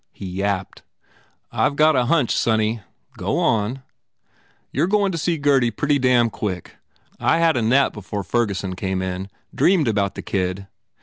He yapped, "I ve got a hunch, sonny." "Go on." 136 GURDY "You re goin to see Gurdy pretty dam quick. I had a nap before Ferguson came in. Dreamed about the kid."